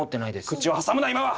口を挟むな今は。